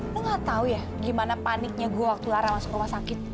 gue gak tau ya gimana paniknya gue waktu lara masuk rumah sakit